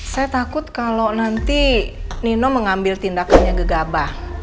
saya takut kalau nanti nino mengambil tindakannya gegabah